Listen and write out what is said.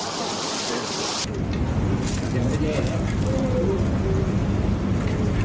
พระอาจารย์ออสบอกว่าอาการของคุณแป๋วผู้เสียหายคนนี้อาจจะเกิดจากหลายสิ่งประกอบกัน